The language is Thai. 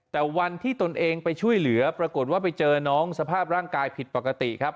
แต่วันที่ตนเองไปช่วยเหลือปรากฏว่าไปเจอน้องสภาพร่างกายผิดปกติครับ